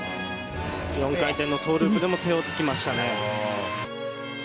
４回転トウループでも手をつきましたね。